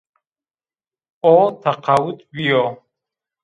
O teqawut bîyo